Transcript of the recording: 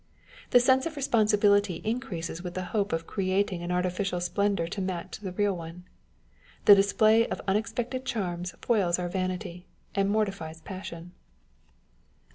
The sense of responsi bility increases with the hope of creating an artificial splendour to match the real one. The display of unex pected charms foils our vanity, and mortifies passion. The 15fi On Sitting for Ones Picture.